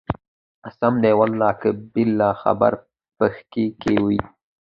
قسم دى ولله که بله خبره پکښې کښې وي.